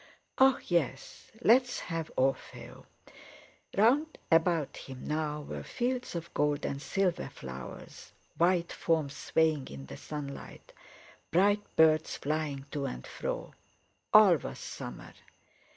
"Ah! yes. Let's have 'Orfeo.'" Round about him now were fields of gold and silver flowers, white forms swaying in the sunlight, bright birds flying to and fro. All was summer.